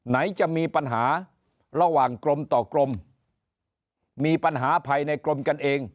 จะมีปัญหาระหว่างกรมต่อกรมมีปัญหาภายในกรมกันเอง